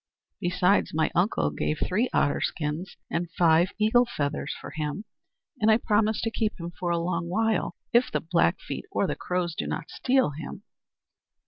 Besides, my uncle gave three otter skins and five eagle feathers for him and I promised to keep him a long while, if the Blackfeet or the Crows do not steal him."